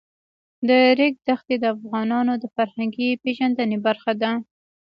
د ریګ دښتې د افغانانو د فرهنګي پیژندنې برخه ده.